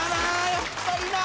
やっぱりな。